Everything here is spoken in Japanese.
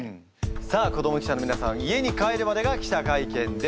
さあ子ども記者の皆さん家に帰るまでが記者会見です。